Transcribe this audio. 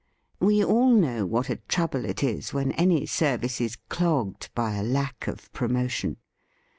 We all know what a trouble it is when any service is clogged by a lack of promotion.